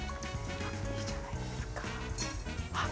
いいじゃないですか。